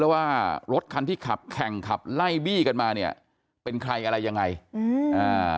แล้วว่ารถคันที่ขับแข่งขับไล่บี้กันมาเนี่ยเป็นใครอะไรยังไงอืมอ่า